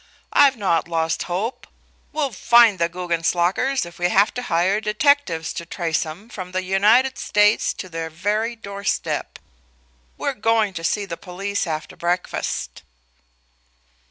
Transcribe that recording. I've not lost hope, We'll find the Guggenslockers if we have to hire detectives to trace 'em from the United States to their very doorstep. We're going to see the police after breakfast."